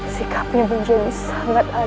sikapnya menjadi sangat adil